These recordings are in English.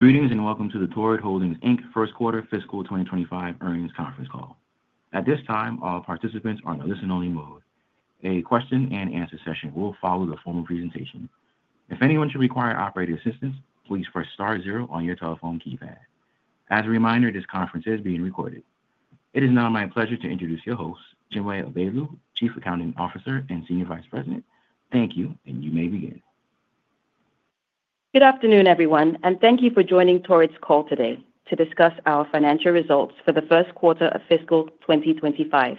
Greetings and welcome to the Torrid Holdings First Quarter Fiscal 2025 earnings conference call. At this time, all participants are in a listen-only mode. A question-and-answer session will follow the formal presentation. If anyone should require operator assistance, please press star zero on your telephone keypad. As a reminder, this conference is being recorded. It is now my pleasure to introduce your hosts, Chinwe Abaelu, Chief Accounting Officer and Senior Vice President. Thank you, and you may begin. Good afternoon, everyone, and thank you for joining Torrid's call today to discuss our financial results for the first quarter of fiscal 2025,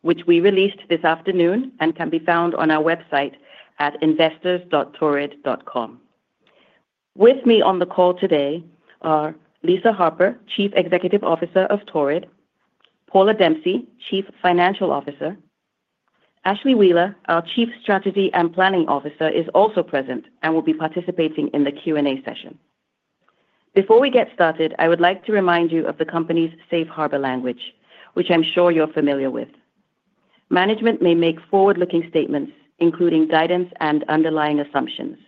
which we released this afternoon and can be found on our website at investors.torrid.com. With me on the call today are Lisa Harper, Chief Executive Officer of Torrid; Paula Dempsey, Chief Financial Officer; Ashlee Wheeler, our Chief Strategy and Planning Officer, is also present and will be participating in the Q&A session. Before we get started, I would like to remind you of the company's safe harbor language, which I'm sure you're familiar with. Management may make forward-looking statements, including guidance and underlying assumptions.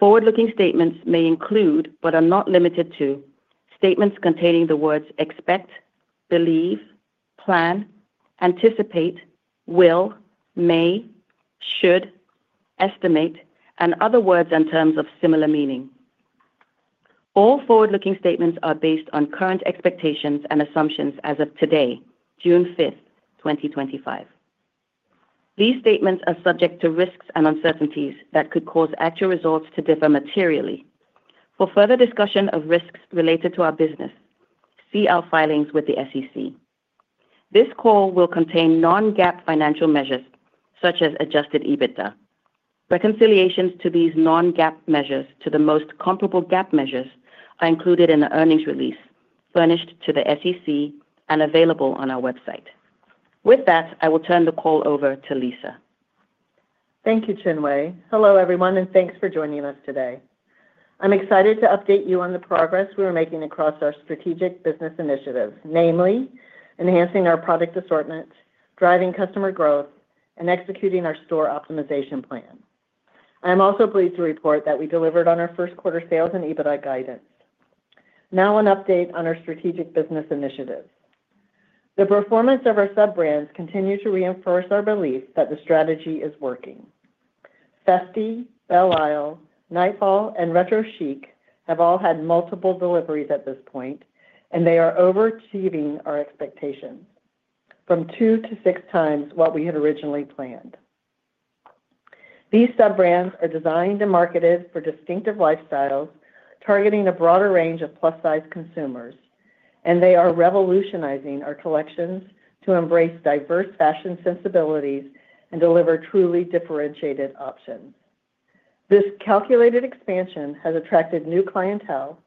Forward-looking statements may include, but are not limited to, statements containing the words "expect," "believe," "plan," "anticipate," "will," "may," "should," "estimate," and other words and terms of similar meaning. All forward-looking statements are based on current expectations and assumptions as of today, June 5th, 2025. These statements are subject to risks and uncertainties that could cause actual results to differ materially. For further discussion of risks related to our business, see our filings with the SEC. This call will contain non-GAAP financial measures, such as adjusted EBITDA. Reconciliations to these non-GAAP measures to the most comparable GAAP measures are included in the earnings release furnished to the SEC and available on our website. With that, I will turn the call over to Lisa. Thank you, Chinwe. Hello, everyone, and thanks for joining us today. I'm excited to update you on the progress we are making across our strategic business initiatives, namely enhancing our product assortment, driving customer growth, and executing our store optimization plan. I'm also pleased to report that we delivered on our first quarter sales and EBITDA guidance. Now, an update on our strategic business initiatives. The performance of our sub-brands continues to reinforce our belief that the strategy is working. Festy, Belle Isle, Nightfall, and Retro Chic have all had multiple deliveries at this point, and they are overachieving our expectations from two to six times what we had originally planned. These sub-brands are designed and marketed for distinctive lifestyles, targeting a broader range of plus-size consumers, and they are revolutionizing our collections to embrace diverse fashion sensibilities and deliver truly differentiated options. This calculated expansion has attracted new clientele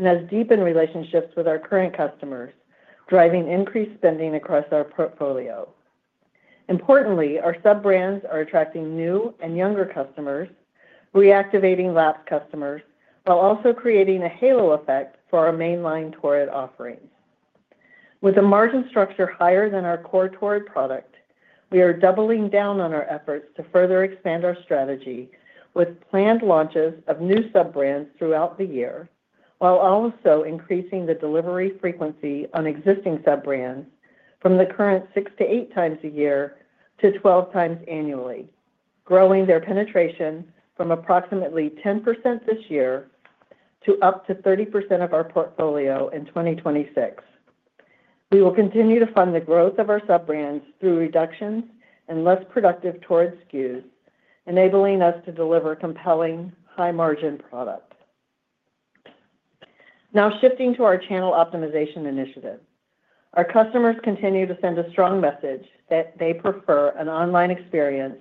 and has deepened relationships with our current customers, driving increased spending across our portfolio. Importantly, our sub-brands are attracting new and younger customers, reactivating lapsed customers while also creating a halo effect for our mainline Torrid offerings. With a margin structure higher than our core Torrid product, we are doubling down on our efforts to further expand our strategy with planned launches of new sub-brands throughout the year, while also increasing the delivery frequency on existing sub-brands from the current six to eight times a year to twelve times annually, growing their penetration from approximately 10% this year to up to 30% of our portfolio in 2026. We will continue to fund the growth of our sub-brands through reductions in less productive Torrid SKUs, enabling us to deliver compelling, high-margin products. Now, shifting to our channel optimization initiative, our customers continue to send a strong message that they prefer an online experience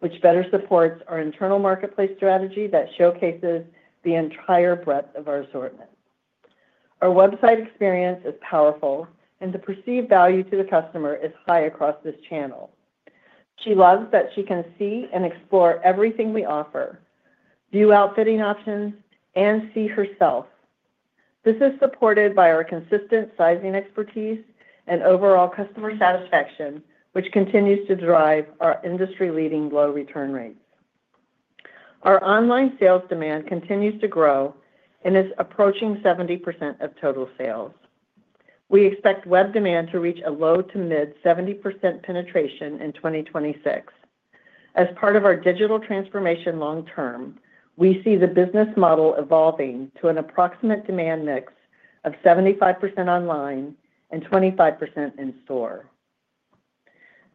which better supports our internal marketplace strategy that showcases the entire breadth of our assortment. Our website experience is powerful, and the perceived value to the customer is high across this channel. She loves that she can see and explore everything we offer, view outfitting options, and see herself. This is supported by our consistent sizing expertise and overall customer satisfaction, which continues to drive our industry-leading low return rates. Our online sales demand continues to grow and is approaching 70% of total sales. We expect web demand to reach a low to mid 70% penetration in 2026. As part of our digital transformation long term, we see the business model evolving to an approximate demand mix of 75% online and 25% in- store.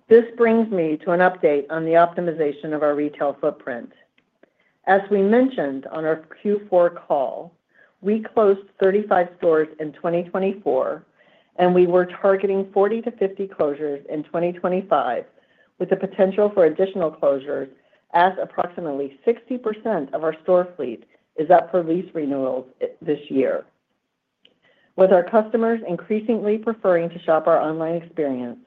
This brings me to an update on the optimization of our retail footprint. As we mentioned on our Q4 call, we closed 35 stores in 2024, and we were targeting 40-50 closures in 2025, with the potential for additional closures, as approximately 60% of our store fleet is up for lease renewals this year. With our customers increasingly preferring to shop our online experience,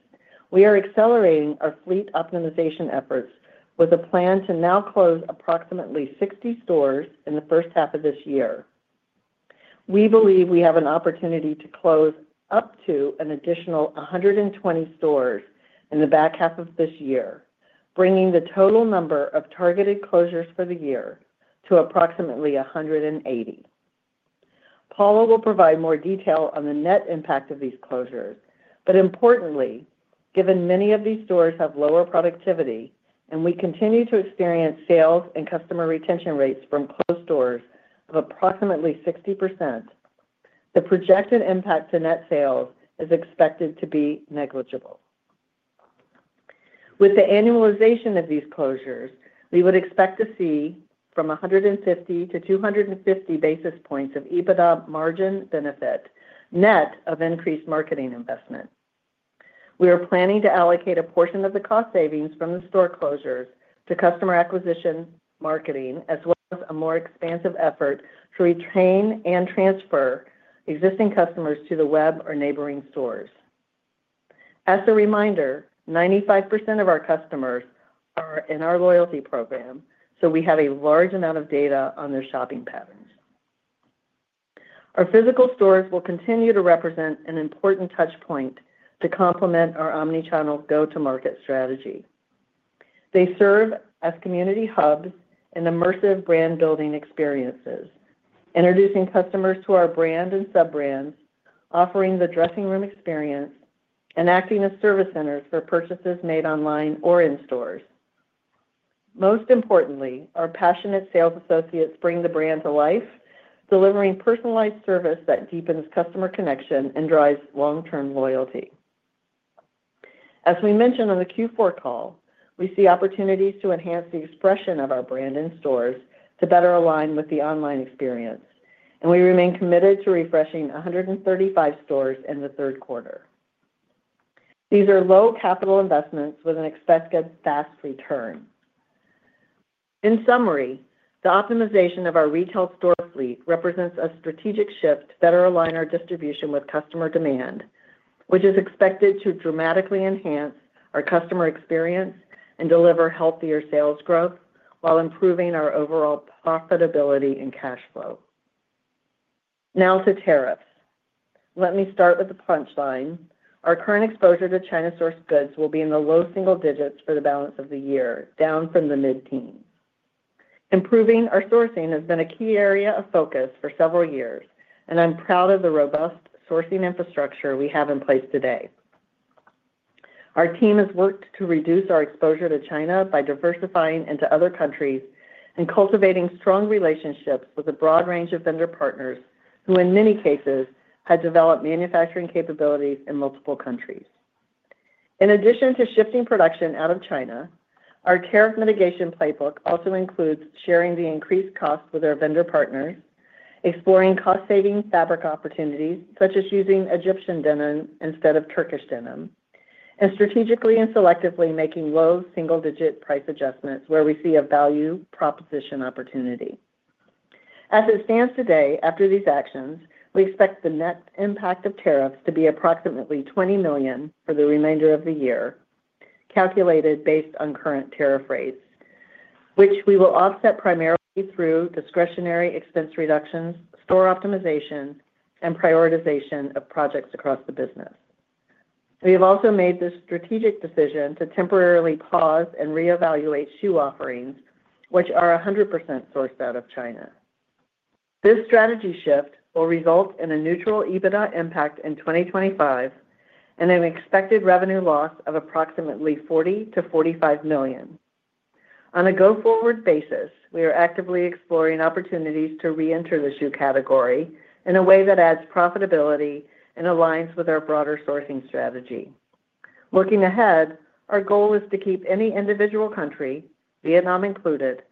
we are accelerating our fleet optimization efforts with a plan to now close approximately 60 stores in the first half of this year. We believe we have an opportunity to close up to an additional 120 stores in the back half of this year, bringing the total number of targeted closures for the year to approximately 180. Paula will provide more detail on the net impact of these closures, but importantly, given many of these stores have lower productivity and we continue to experience sales and customer retention rates from closed stores of approximately 60%, the projected impact to net sales is expected to be negligible. With the annualization of these closures, we would expect to see from 150 to 250 basis points of EBITDA margin benefit net of increased marketing investment. We are planning to allocate a portion of the cost savings from the store closures to customer acquisition marketing, as well as a more expansive effort to retain and transfer existing customers to the web or neighboring stores. As a reminder, 95% of our customers are in our loyalty program, so we have a large amount of data on their shopping patterns. Our physical stores will continue to represent an important touchpoint to complement our omnichannel go-to-market strategy. They serve as community hubs and immersive brand-building experiences, introducing customers to our brand and sub-brands, offering the dressing room experience, and acting as service centers for purchases made online or in stores. Most importantly, our passionate sales associates bring the brand to life, delivering personalized service that deepens customer connection and drives long-term loyalty. As we mentioned on the Q4 call, we see opportunities to enhance the expression of our brand in stores to better align with the online experience, and we remain committed to refreshing 135 stores in the third quarter. These are low capital investments with an expected fast return. In summary, the optimization of our retail store fleet represents a strategic shift to better align our distribution with customer demand, which is expected to dramatically enhance our customer experience and deliver healthier sales growth while improving our overall profitability and cash flow. Now to tariffs. Let me start with the punchline. Our current exposure to China-sourced goods will be in the low single digits for the balance of the year, down from the mid-teens. Improving our sourcing has been a key area of focus for several years, and I'm proud of the robust sourcing infrastructure we have in place today. Our team has worked to reduce our exposure to China by diversifying into other countries and cultivating strong relationships with a broad range of vendor partners who, in many cases, have developed manufacturing capabilities in multiple countries. In addition to shifting production out of China, our tariff mitigation playbook also includes sharing the increased costs with our vendor partners, exploring cost-saving fabric opportunities such as using Egyptian denim instead of Turkish denim, and strategically and selectively making low single-digit price adjustments where we see a value proposition opportunity. As it stands today, after these actions, we expect the net impact of tariffs to be approximately $20 million for the remainder of the year, calculated based on current tariff rates, which we will offset primarily through discretionary expense reductions, store optimization, and prioritization of projects across the business. We have also made the strategic decision to temporarily pause and reevaluate shoe offerings, which are 100% sourced out of China. This strategy shift will result in a neutral EBITDA impact in 2025 and an expected revenue loss of approximately $40-$45 million. On a go-forward basis, we are actively exploring opportunities to re-enter the shoe category in a way that adds profitability and aligns with our broader sourcing strategy. Looking ahead, our goal is to keep any individual country, Vietnam included,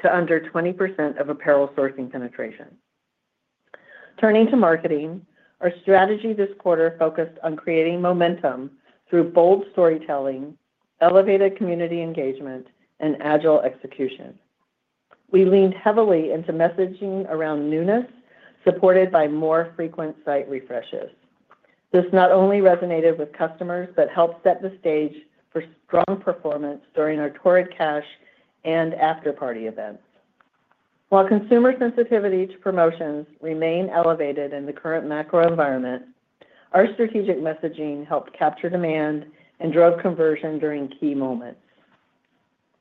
to under 20% of apparel sourcing penetration. Turning to marketing, our strategy this quarter focused on creating momentum through bold storytelling, elevated community engagement, and agile execution. We leaned heavily into messaging around newness, supported by more frequent site refreshes. This not only resonated with customers but helped set the stage for strong performance during our Torrid Cash and after-party events. While consumer sensitivity to promotions remained elevated in the current macro environment, our strategic messaging helped capture demand and drove conversion during key moments.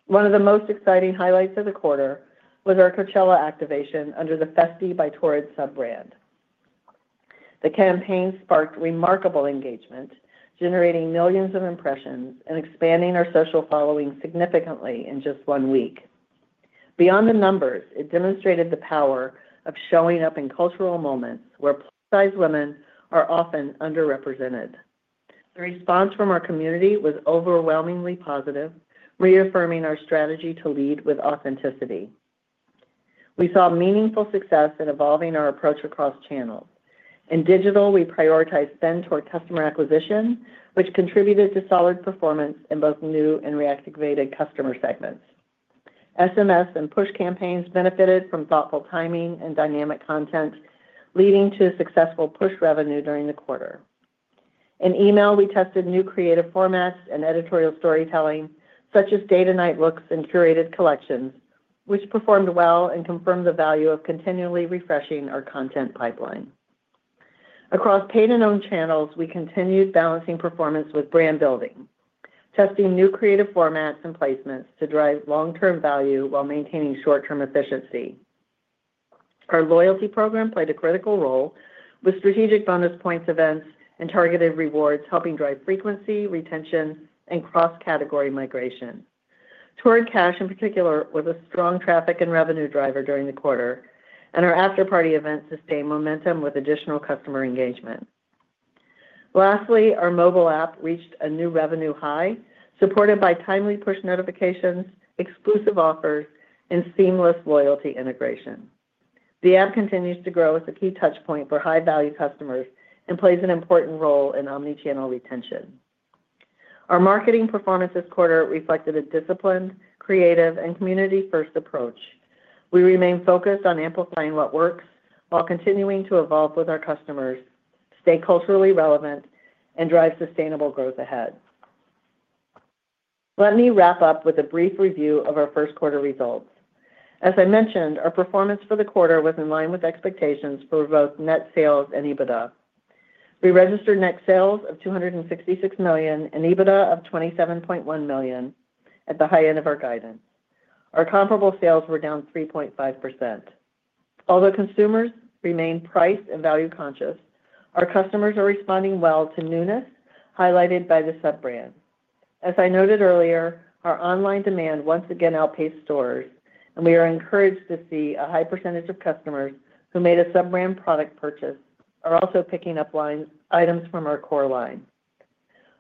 One of the most exciting highlights of the quarter was our Coachella activation under the Festy by Torrid sub-brand. The campaign sparked remarkable engagement, generating millions of impressions and expanding our social following significantly in just one week. Beyond the numbers, it demonstrated the power of showing up in cultural moments where plus-size women are often underrepresented. The response from our community was overwhelmingly positive, reaffirming our strategy to lead with authenticity. We saw meaningful success in evolving our approach across channels. In digital, we prioritized spend toward customer acquisition, which contributed to solid performance in both new and reactivated customer segments. SMS and push campaigns benefited from thoughtful timing and dynamic content, leading to successful push revenue during the quarter. In email, we tested new creative formats and editorial storytelling, such as day-to-night looks and curated collections, which performed well and confirmed the value of continually refreshing our content pipeline. Across paid and owned channels, we continued balancing performance with brand building, testing new creative formats and placements to drive long-term value while maintaining short-term efficiency. Our loyalty program played a critical role, with strategic bonus points events and targeted rewards helping drive frequency, retention, and cross-category migration. Torrid Cash, in particular, was a strong traffic and revenue driver during the quarter, and our after-party events sustained momentum with additional customer engagement. Lastly, our mobile app reached a new revenue high, supported by timely push notifications, exclusive offers, and seamless loyalty integration. The app continues to grow as a key touchpoint for high-value customers and plays an important role in omnichannel retention. Our marketing performance this quarter reflected a disciplined, creative, and community-first approach. We remain focused on amplifying what works while continuing to evolve with our customers, stay culturally relevant, and drive sustainable growth ahead. Let me wrap up with a brief review of our first-quarter results. As I mentioned, our performance for the quarter was in line with expectations for both net sales and EBITDA. We registered net sales of $266 million and EBITDA of $27.1 million at the high end of our guidance. Our comparable sales were down 3.5%. Although consumers remain price and value conscious, our customers are responding well to newness highlighted by the sub-brand. As I noted earlier, our online demand once again outpaced stores, and we are encouraged to see a high percentage of customers who made a sub-brand product purchase are also picking up items from our core line.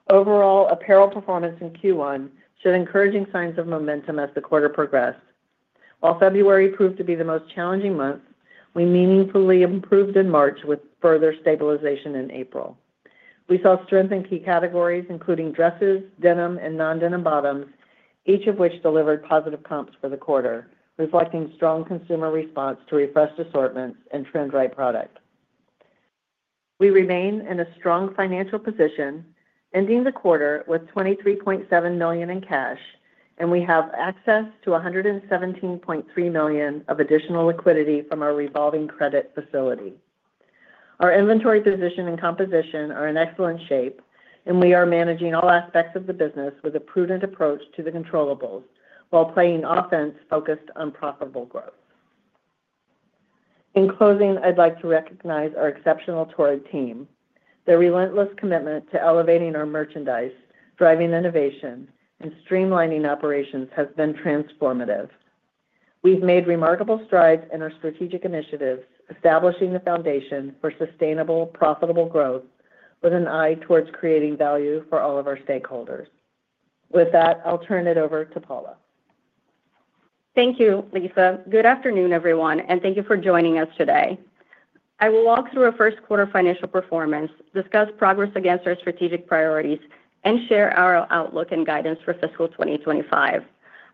Overall, apparel performance in Q1 showed encouraging signs of momentum as the quarter progressed. While February proved to be the most challenging month, we meaningfully improved in March with further stabilization in April. We saw strength in key categories, including dresses, denim, and non-denim bottoms, each of which delivered positive comps for the quarter, reflecting strong consumer response to refreshed assortments and trend-right product. We remain in a strong financial position, ending the quarter with $23.7 million in cash, and we have access to $117.3 million of additional liquidity from our revolving credit facility. Our inventory position and composition are in excellent shape, and we are managing all aspects of the business with a prudent approach to the controllables, while playing offense focused on profitable growth. In closing, I'd like to recognize our exceptional Torrid team. Their relentless commitment to elevating our merchandise, driving innovation, and streamlining operations has been transformative. We've made remarkable strides in our strategic initiatives, establishing the foundation for sustainable, profitable growth with an eye towards creating value for all of our stakeholders. With that, I'll turn it over to Paula. Thank you, Lisa. Good afternoon, everyone, and thank you for joining us today. I will walk through our first-quarter financial performance, discuss progress against our strategic priorities, and share our outlook and guidance for fiscal 2025,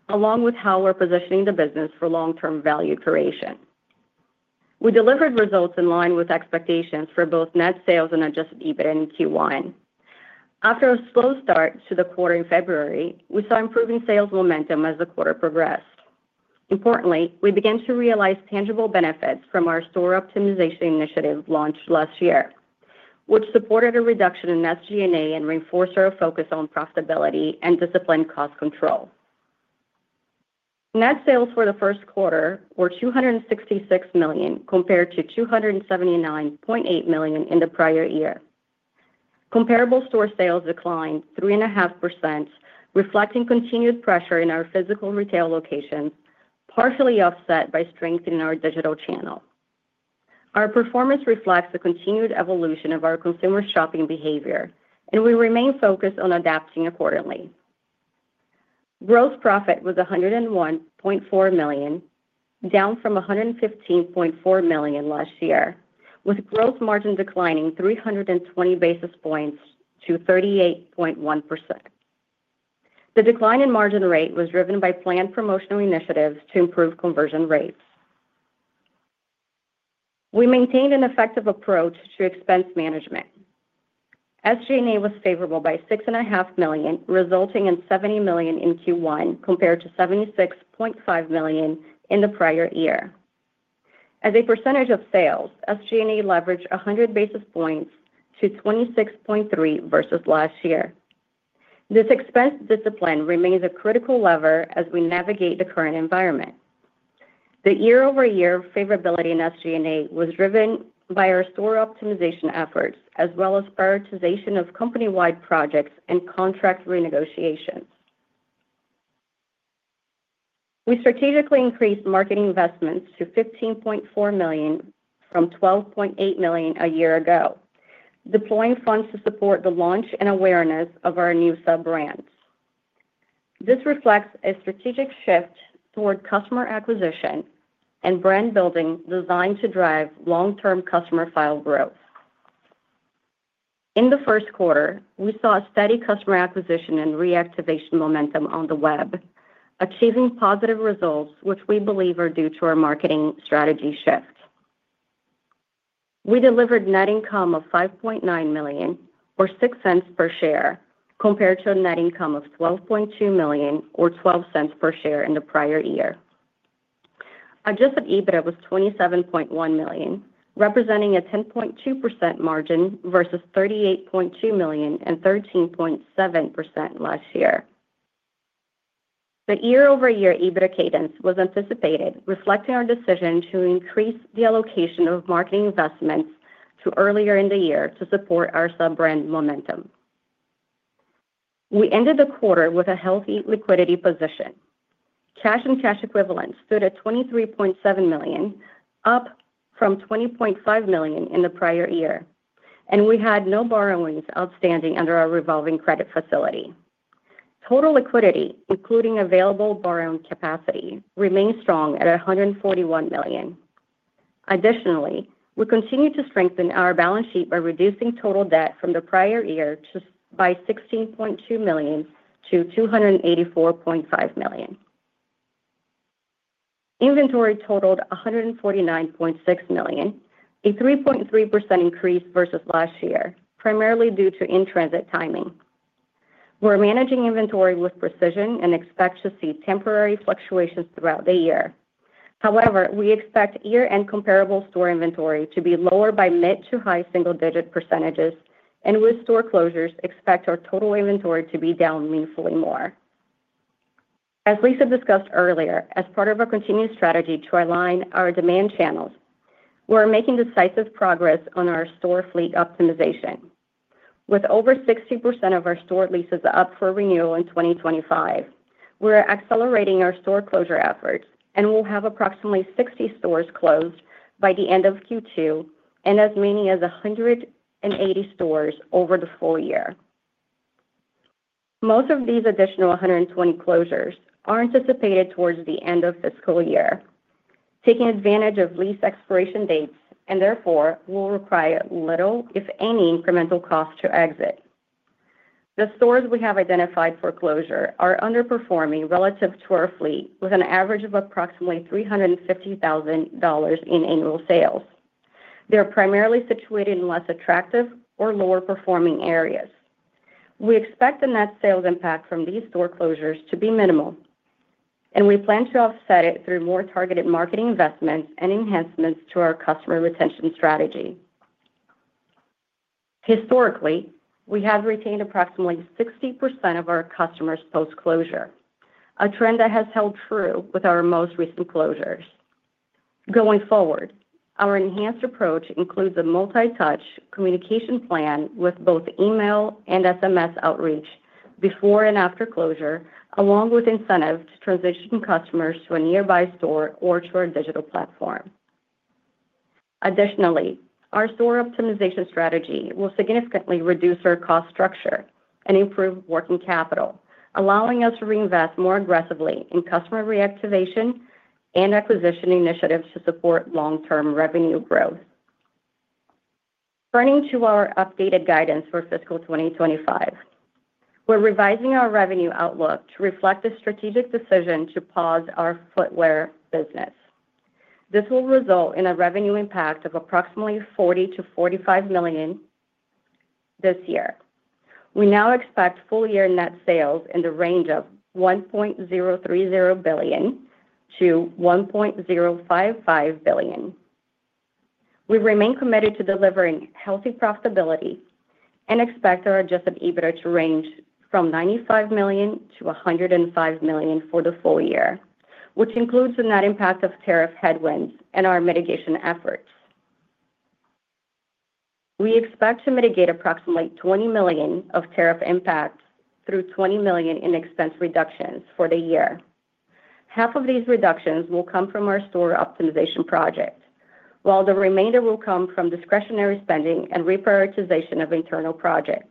along with how we're positioning the business for long-term value creation. We delivered results in line with expectations for both net sales and adjusted EBITDA in Q1. After a slow start to the quarter in February, we saw improving sales momentum as the quarter progressed. Importantly, we began to realize tangible benefits from our store optimization initiative launched last year, which supported a reduction in SG&A and reinforced our focus on profitability and disciplined cost control. Net sales for the first quarter were $266 million compared to $279.8 million in the prior year. Comparable store sales declined 3.5%, reflecting continued pressure in our physical retail locations, partially offset by strength in our digital channel. Our performance reflects the continued evolution of our consumer shopping behavior, and we remain focused on adapting accordingly. Gross profit was $101.4 million, down from $115.4 million last year, with gross margin declining 320 basis points to 38.1%. The decline in margin rate was driven by planned promotional initiatives to improve conversion rates. We maintained an effective approach to expense management. SG&A was favorable by $6.5 million, resulting in $70 million in Q1 compared to $76.5 million in the prior year. As a percentage of sales, SG&A leveraged 100 basis points to 26.3% versus last year. This expense discipline remains a critical lever as we navigate the current environment. The year-over-year favorability in SG&A was driven by our store optimization efforts, as well as prioritization of company-wide projects and contract renegotiations. We strategically increased marketing investments to $15.4 million from $12.8 million a year ago, deploying funds to support the launch and awareness of our new sub-brands. This reflects a strategic shift toward customer acquisition and brand building designed to drive long-term customer file growth. In the first quarter, we saw a steady customer acquisition and reactivation momentum on the web, achieving positive results, which we believe are due to our marketing strategy shift. We delivered net income of $5.9 million, or $0.06 per share, compared to a net income of $12.2 million, or $0.12 per share, in the prior year. Adjusted EBITDA was $27.1 million, representing a 10.2% margin versus $38.2 million and 13.7% last year. The year-over-year EBITDA cadence was anticipated, reflecting our decision to increase the allocation of marketing investments to earlier in the year to support our sub-brand momentum. We ended the quarter with a healthy liquidity position. Cash and cash equivalents stood at $23.7 million, up from $20.5 million in the prior year, and we had no borrowings outstanding under our revolving credit facility. Total liquidity, including available borrowing capacity, remained strong at $141 million. Additionally, we continued to strengthen our balance sheet by reducing total debt from the prior year by $16.2 million to $284.5 million. Inventory totaled $149.6 million, a 3.3% increase versus last year, primarily due to in-transit timing. We're managing inventory with precision and expect to see temporary fluctuations throughout the year. However, we expect year-end comparable store inventory to be lower by mid- to high single-digit percentages, and with store closures, expect our total inventory to be down meaningfully more. As Lisa discussed earlier, as part of our continued strategy to align our demand channels, we're making decisive progress on our store fleet optimization. With over 60% of our store leases up for renewal in 2025, we're accelerating our store closure efforts, and we'll have approximately 60 stores closed by the end of Q2 and as many as 180 stores over the full year. Most of these additional 120 closures are anticipated towards the end of fiscal year, taking advantage of lease expiration dates, and therefore will require little, if any, incremental costs to exit. The stores we have identified for closure are underperforming relative to our fleet, with an average of approximately $350,000 in annual sales. They're primarily situated in less attractive or lower-performing areas. We expect the net sales impact from these store closures to be minimal, and we plan to offset it through more targeted marketing investments and enhancements to our customer retention strategy. Historically, we have retained approximately 60% of our customers post-closure, a trend that has held true with our most recent closures. Going forward, our enhanced approach includes a multi-touch communication plan with both email and SMS outreach before and after closure, along with incentives to transition customers to a nearby store or to our digital platform. Additionally, our store optimization strategy will significantly reduce our cost structure and improve working capital, allowing us to reinvest more aggressively in customer reactivation and acquisition initiatives to support long-term revenue growth. Turning to our updated guidance for fiscal 2025, we're revising our revenue outlook to reflect a strategic decision to pause our footwear business. This will result in a revenue impact of approximately $40 million to $45 million this year. We now expect full-year net sales in the range of $1.030 billion-$1.055 billion. We remain committed to delivering healthy profitability and expect our adjusted EBITDA to range from $95 million to a $105 million for the full year, which includes the net impact of tariff headwinds and our mitigation efforts. We expect to mitigate approximately $20 million of tariff impact through $20 million in expense reductions for the year. Half of these reductions will come from our store optimization project, while the remainder will come from discretionary spending and reprioritization of internal projects.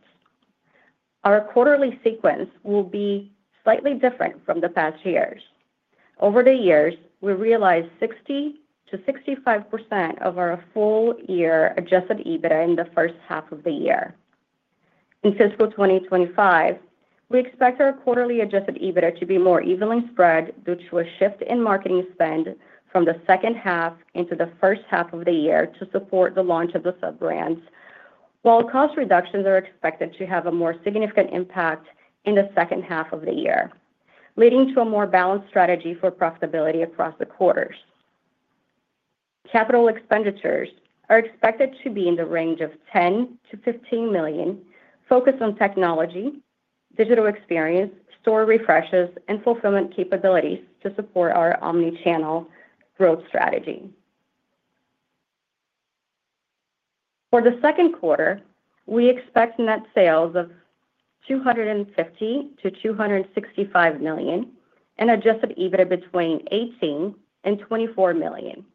Our quarterly sequence will be slightly different from the past years. Over the years, we realized 60%-65% of our full-year adjusted EBITDA in the first half of the year. In fiscal 2025, we expect our quarterly adjusted EBITDA to be more evenly spread due to a shift in marketing spend from the second half into the first half of the year to support the launch of the sub-brands, while cost reductions are expected to have a more significant impact in the second half of the year, leading to a more balanced strategy for profitability across the quarters. Capital expenditures are expected to be in the range of $10 million to $15 million, focused on technology, digital experience, store refreshes, and fulfillment capabilities to support our omnichannel growth strategy. For the second quarter, we expect net sales of $250 million to $265 million and adjusted EBITDA between $18 million and $24 million.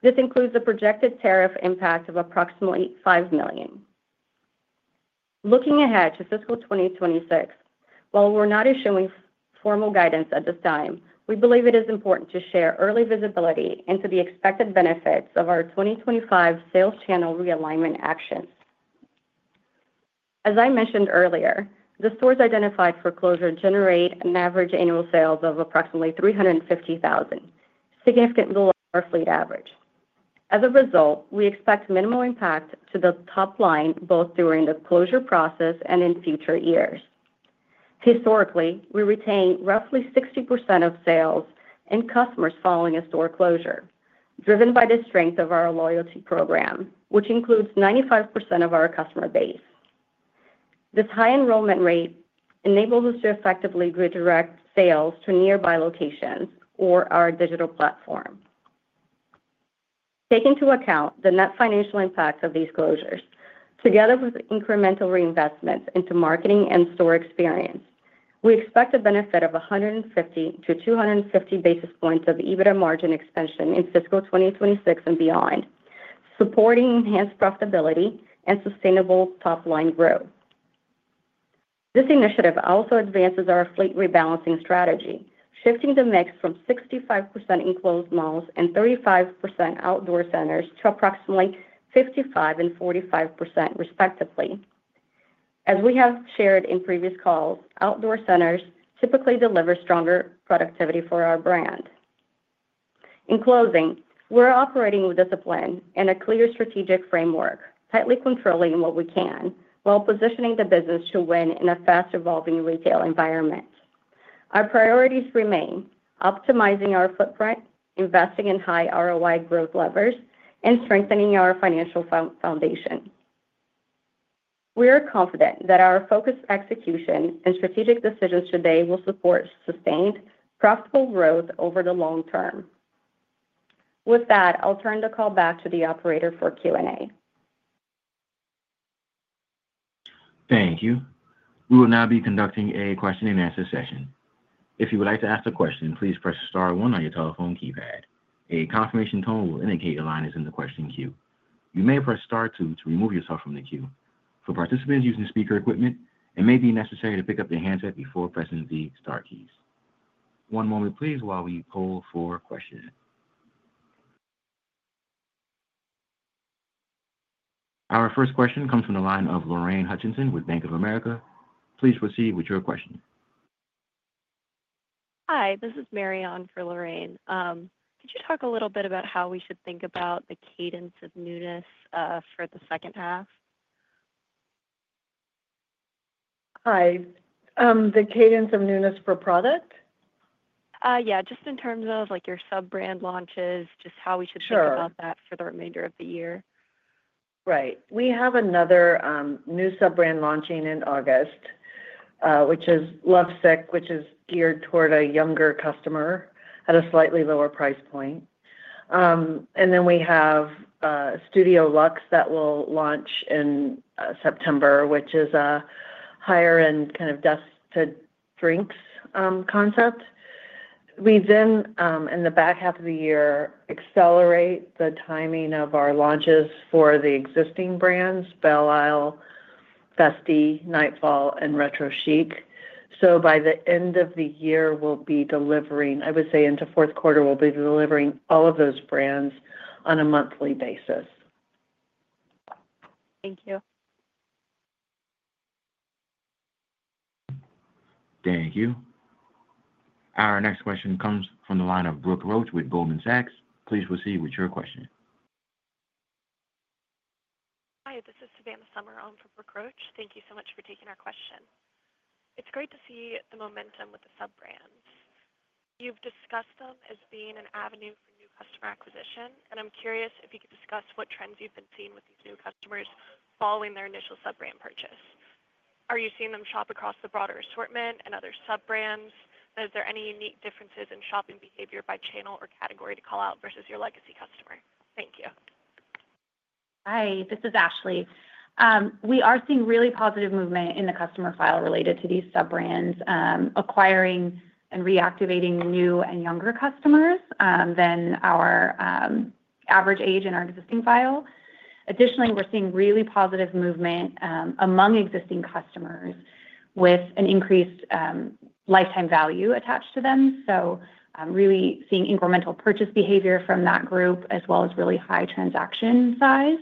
This includes the projected tariff impact of approximately $5 million. Looking ahead to fiscal 2026, while we're not issuing formal guidance at this time, we believe it is important to share early visibility into the expected benefits of our 2025 sales channel realignment actions. As I mentioned earlier, the stores identified for closure generate an average annual sales of approximately $350,000, significantly below our fleet average. As a result, we expect minimal impact to the top line both during the closure process and in future years. Historically, we retained roughly 60% of sales and customers following a store closure, driven by the strength of our loyalty program, which includes 95% of our customer base. This high enrollment rate enables us to effectively redirect sales to nearby locations or our digital platform. Taking into account the net financial impact of these closures, together with incremental reinvestments into marketing and store experience, we expect a benefit of 150-250 basis points of EBITDA margin expansion in fiscal 2026 and beyond, supporting enhanced profitability and sustainable top-line growth. This initiative also advances our fleet rebalancing strategy, shifting the mix from 65% enclosed malls and 35% outdoor centers to approximately 55% and 45%, respectively. As we have shared in previous calls, outdoor centers typically deliver stronger productivity for our brand. In closing, we're operating with a discipline and a clear strategic framework, tightly controlling what we can while positioning the business to win in a fast-evolving retail environment. Our priorities remain optimizing our footprint, investing in high ROI growth levers, and strengthening our financial foundation. We are confident that our focused execution and strategic decisions today will support sustained, profitable growth over the long term. With that, I'll turn the call back to the operator for Q&A. Thank you. We will now be conducting a question-and-answer session. If you would like to ask a question, please press star one on your telephone keypad. A confirmation tone will indicate a line is in the question queue. You may press star two to remove yourself from the queue. For participants using speaker equipment, it may be necessary to pick up the handset before pressing the star keys. One moment, please, while we poll for questions. Our first question comes from the line of Lorraine Hutchinson with Bank of America. Please proceed with your question. Hi, this is Marion for Lorraine. Could you talk a little bit about how we should think about the cadence of newness for the second half? Hi. The cadence of newness for product? Yeah, just in terms of your sub-brand launches, just how we should think about that for the remainder of the year. Right. We have another new sub-brand launching in August, which is Lovesick, which is geared toward a younger customer at a slightly lower price point. And then we have Studio Luxe that will launch in September, which is a higher-end kind of desk-to-drinks concept. We then, in the back half of the year, accelerate the timing of our launches for the existing brands: Belle Isle, Festy, Nightfall, and Retro Chic. By the end of the year, I would say into fourth quarter, we will be delivering all of those brands on a monthly basis. Thank you. Thank you. Our next question comes from the line of Brooke Roach with Goldman Sachs. Please proceed with your question. Hi, this is Savannah Summer. I'm from Brooke Roach. Thank you so much for taking our question. It's great to see the momentum with the sub-brands. You've discussed them as being an avenue for new customer acquisition, and I'm curious if you could discuss what trends you've been seeing with these new customers following their initial sub-brand purchase. Are you seeing them shop across the broader assortment and other sub-brands? Is there any unique differences in shopping behavior by channel or category to call out versus your legacy customer? Thank you. Hi, this is Ashlee. We are seeing really positive movement in the customer file related to these sub-brands, acquiring and reactivating new and younger customers than our average age in our existing file. Additionally, we're seeing really positive movement among existing customers with an increased lifetime value attached to them. Really seeing incremental purchase behavior from that group, as well as really high transaction size.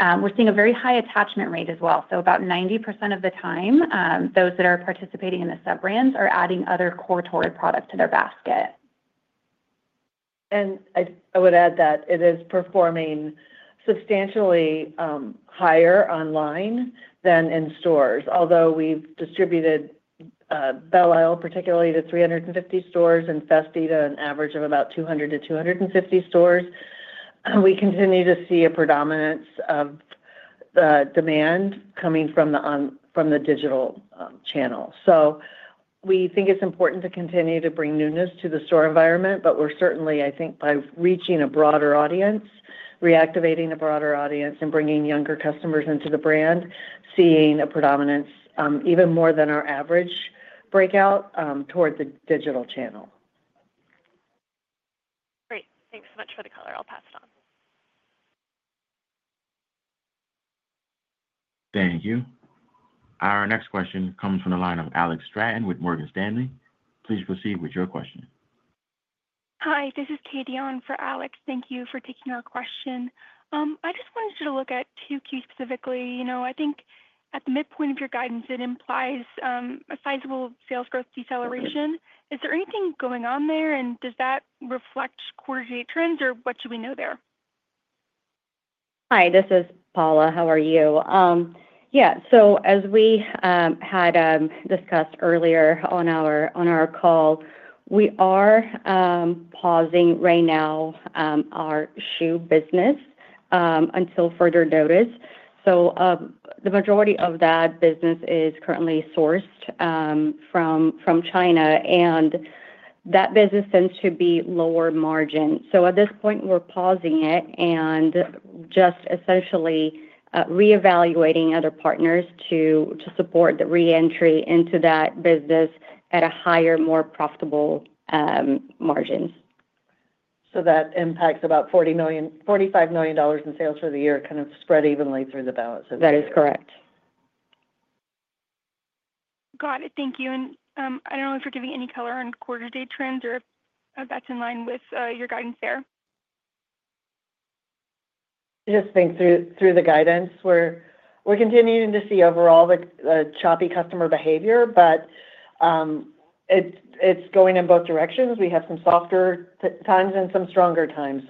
We're seeing a very high attachment rate as well. About 90% of the time, those that are participating in the sub-brands are adding other core-to-order products to their basket. I would add that it is performing substantially higher online than in stores. Although we've distributed Belle Isle, particularly to 350 stores, and Festy to an average of about 200-250 stores, we continue to see a predominance of demand coming from the digital channel. We think it's important to continue to bring newness to the store environment, but we're certainly, I think, by reaching a broader audience, reactivating a broader audience, and bringing younger customers into the brand, seeing a predominance even more than our average breakout toward the digital channel. Great. Thanks so much for the color. I'll pass it on. Thank you. Our next question comes from the line of Alex Stratton with Morgan Stanley. Please proceed with your question. Hi, this is Kadion for Alex. Thank you for taking our question. I just wanted to look at Q2 specifically. I think at the midpoint of your guidance, it implies a sizable sales growth deceleration. Is there anything going on there, and does that reflect quarterly trends, or what should we know there? Hi, this is Paula. How are you? Yeah. As we had discussed earlier on our call, we are pausing right now our shoe business until further notice. The majority of that business is currently sourced from China, and that business tends to be lower margin. At this point, we're pausing it and just essentially reevaluating other partners to support the re-entry into that business at a higher, more profitable margin. That impacts about $45 million in sales for the year, kind of spread evenly through the balance of the year. That is correct. Got it. Thank you. I do not know if you're giving any color on quarter-to-date trends or if that's in line with your guidance there. Just think through the guidance. We're continuing to see overall choppy customer behavior, but it's going in both directions. We have some softer times and some stronger times.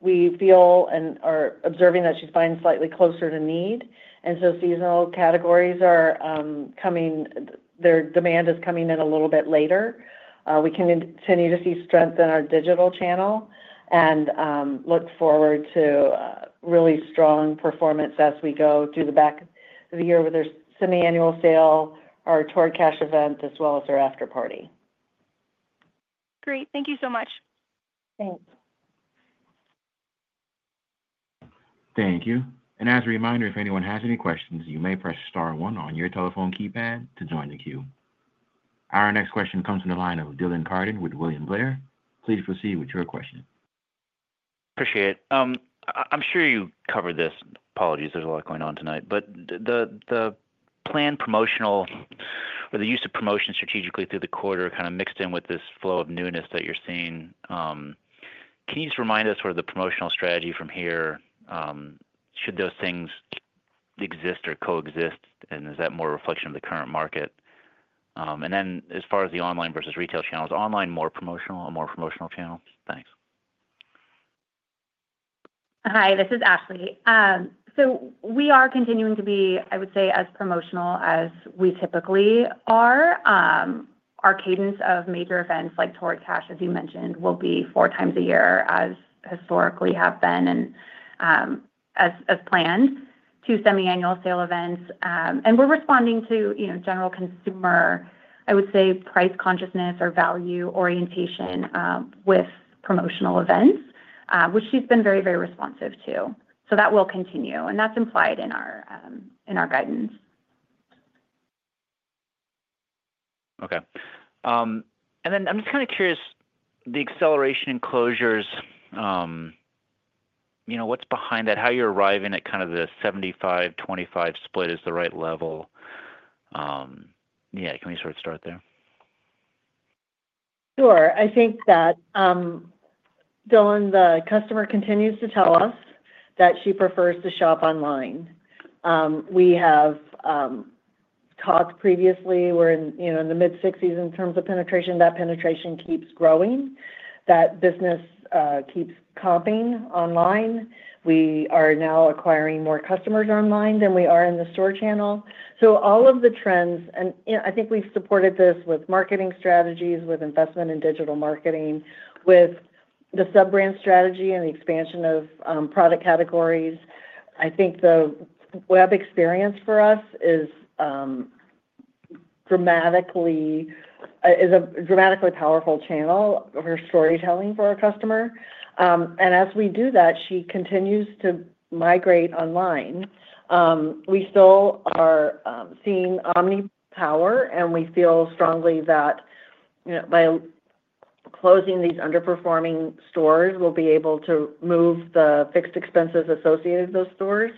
We feel and are observing that she's buying slightly closer to need. Seasonal categories are coming—their demand is coming in a little bit later. We continue to see strength in our digital channel and look forward to really strong performance as we go through the back of the year with their semi-annual sale, our Torrid cash event, as well as their afterparty. Great. Thank you so much. Thanks. Thank you. As a reminder, if anyone has any questions, you may press Star 1 on your telephone keypad to join the queue. Our next question comes from the line of Dylan Carden with William Blair. Please proceed with your question. Appreciate it. I'm sure you covered this. Apologies. There's a lot going on tonight. The planned promotional or the use of promotion strategically through the quarter kind of mixed in with this flow of newness that you're seeing. Can you just remind us what are the promotional strategy from here? Should those things exist or coexist? Is that more a reflection of the current market? As far as the online versus retail channels, is online more promotional and more promotional channel? Thanks. Hi, this is Ashlee. We are continuing to be, I would say, as promotional as we typically are. Our cadence of major events like Torrid cash, as you mentioned, will be four times a year as historically have been and as planned, two semi-annual sale events. We are responding to general consumer, I would say, price consciousness or value orientation with promotional events, which she has been very, very responsive to. That will continue. That's implied in our guidance. Okay. I am just kind of curious, the acceleration in closures, what's behind that? How are you arriving at the 75/25 split as the right level? Yeah. Can we sort of start there? Sure. I think that, Dylan, the customer continues to tell us that she prefers to shop online. We have talked previously. We are in the mid-60s in terms of penetration. That penetration keeps growing. That business keeps comping online. We are now acquiring more customers online than we are in the store channel. All of the trends—and I think we have supported this with marketing strategies, with investment in digital marketing, with the sub-brand strategy and the expansion of product categories. I think the web experience for us is a dramatically powerful channel for storytelling for our customer. As we do that, she continues to migrate online. We still are seeing omnichannel, and we feel strongly that by closing these underperforming stores, we'll be able to move the fixed expenses associated with those stores.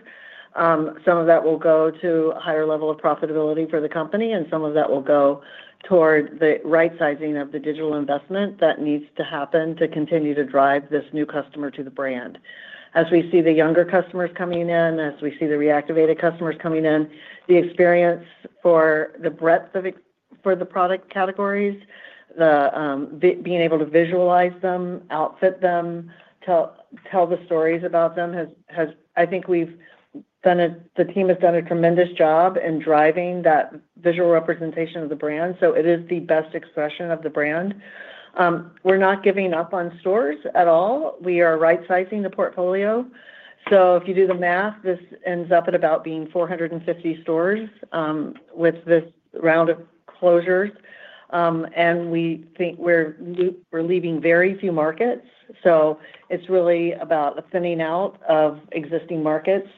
Some of that will go to a higher level of profitability for the company, and some of that will go toward the right-sizing of the digital investment that needs to happen to continue to drive this new customer to the brand. As we see the younger customers coming in, as we see the reactivated customers coming in, the experience for the breadth of the product categories, being able to visualize them, outfit them, tell the stories about them has—I think the team has done a tremendous job in driving that visual representation of the brand. It is the best expression of the brand. We're not giving up on stores at all. We are right-sizing the portfolio. If you do the math, this ends up at about being 450 stores with this round of closures. We think we're leaving very few markets. It is really about a thinning out of existing markets.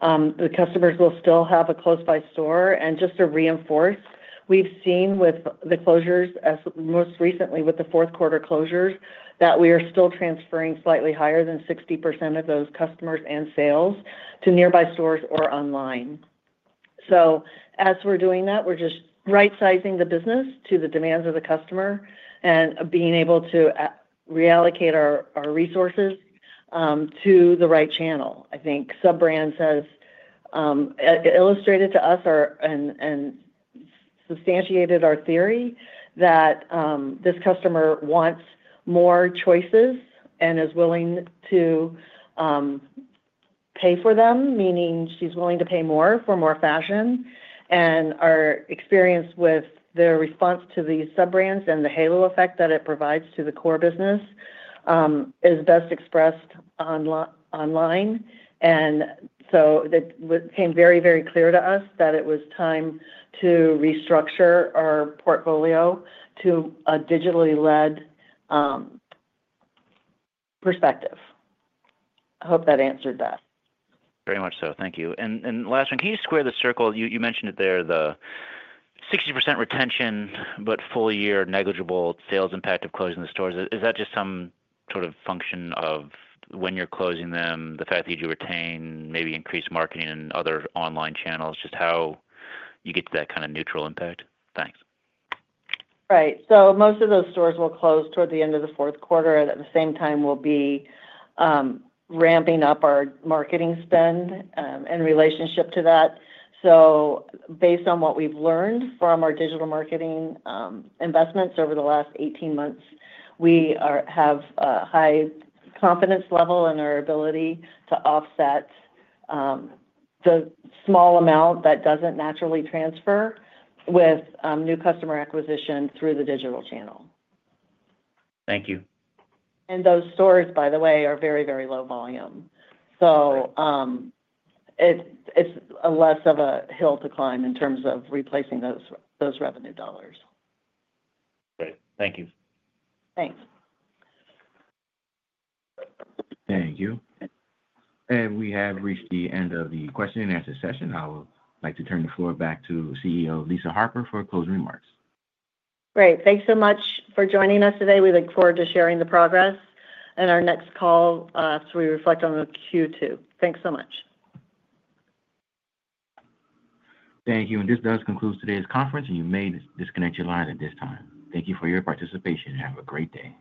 The customers will still have a close-by store. Just to reinforce, we've seen with the closures, most recently with the fourth quarter closures, that we are still transferring slightly higher than 60% of those customers and sales to nearby stores or online. As we're doing that, we're just right-sizing the business to the demands of the customer and being able to reallocate our resources to the right channel. I think sub-brands have illustrated to us and substantiated our theory that this customer wants more choices and is willing to pay for them, meaning she's willing to pay more for more fashion. Our experience with the response to these sub-brands and the halo effect that it provides to the core business is best expressed online. It became very, very clear to us that it was time to restructure our portfolio to a digitally led perspective. I hope that answered that. Very much so. Thank you. Last one, can you square the circle? You mentioned it there, the 60% retention, but full-year negligible sales impact of closing the stores. Is that just some sort of function of when you're closing them, the fact that you retain, maybe increase marketing and other online channels, just how you get to that kind of neutral impact? Thanks. Right. Most of those stores will close toward the end of the fourth quarter. At the same time, we'll be ramping up our marketing spend in relationship to that. Based on what we've learned from our digital marketing investments over the last 18 months, we have a high confidence level in our ability to offset the small amount that does not naturally transfer with new customer acquisition through the digital channel. Thank you. Those stores, by the way, are very, very low volume. It is less of a hill to climb in terms of replacing those revenue dollars. Great. Thank you. Thanks. Thank you. We have reached the end of the question-and-answer session. I would like to turn the floor back to CEO Lisa Harper for closing remarks. Great. Thanks so much for joining us today. We look forward to sharing the progress in our next call as we reflect on the Q2. Thanks so much. Thank you. This does conclude today's conference, and you may disconnect your line at this time. Thank you for your participation, and have a great day.